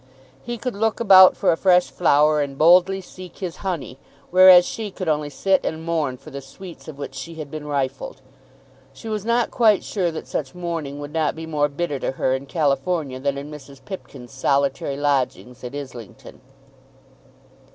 He could look about for a fresh flower and boldly seek his honey; whereas she could only sit and mourn for the sweets of which she had been rifled. She was not quite sure that such mourning would not be more bitter to her in California than in Mrs. Pipkin's solitary lodgings at Islington.